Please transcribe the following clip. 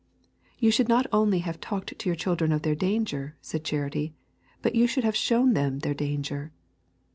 'You should not only have talked to your children of their danger,' said Charity, 'but you should have shown them their danger.'